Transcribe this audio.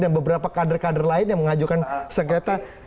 dan beberapa kader kader lain yang mengajukan segreta